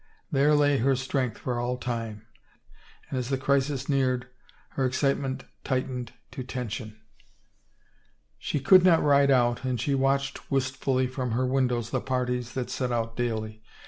There lay her strength for all time. And as the crisis neared her excitement tight ened to tension. She could not ride out and she watched wistfully from her windows the parties that set out daily.